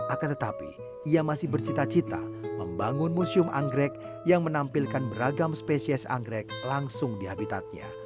akan tetapi ia masih bercita cita membangun museum anggrek yang menampilkan beragam spesies anggrek langsung di habitatnya